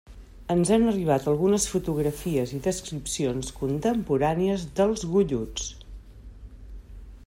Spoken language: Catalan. Ens han arribat algunes fotografies i descripcions contemporànies dels golluts.